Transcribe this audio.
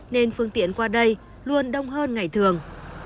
nên phương tiện qua đây luôn đông hơn ngày thường